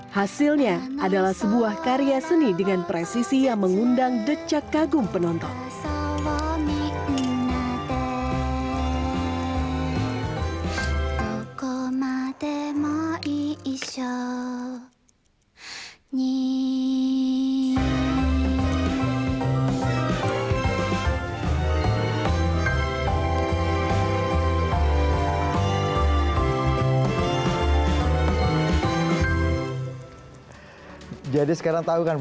hasilnya adalah sebuah karya seni dengan presisi yang mengundang decak kagum penonton